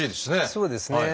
そうですね。